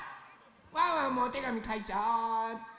ワンワンもおてがみかいちゃおっと。